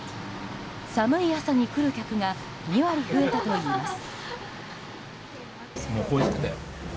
寒い朝に来る客が２割増えたといいます。